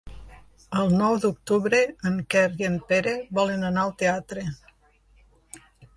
El nou d'octubre en Quer i en Pere volen anar al teatre.